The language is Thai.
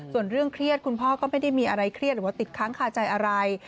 ส่วนเรื่องเครียดคุณพ่อก็ไม่ได้มีอะไรเครียดหรือว่าติดค้างคาใจอะไร